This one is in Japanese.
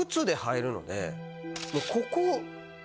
ここ。